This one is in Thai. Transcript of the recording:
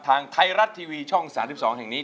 ทางไทยรัฐทีวีช่อง๓๒แห่งนี้